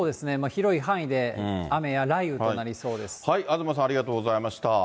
広い範囲で雨や雷雨となりそうで東さん、ありがとうございました。